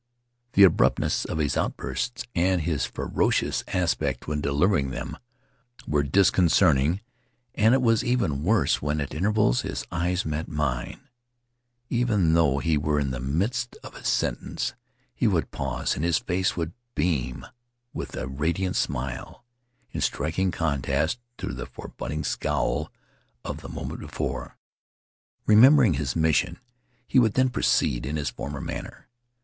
The abruptness of his outbursts and his ferocious aspect when delivering them were dis concerting; and it was even worse when, at intervals, his eyes met mine. Even though he were in the midst of a sentence he would pause and his face would beam with a radiant smile, in striking contrast to the forbid ding scowl of the moment before. Remembering his mission, he would then proceed in his former manner.